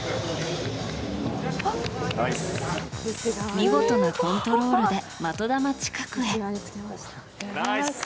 見事なコントロールで的球近くへ。